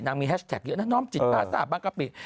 มีแฮชแท็กเยอะนะน้อมจิตพาทราบบางกะปิ